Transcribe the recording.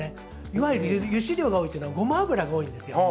いわゆる油脂量が多いっていうのは、ごま油が多いですね。